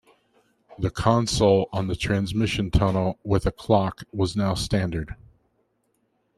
A console on the transmission tunnel with a clock was now standard.